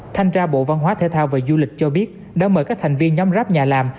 thanh tra bộ văn hóa thể thao và du lịch cho biết đã mời các thành viên nhóm grab nhà làm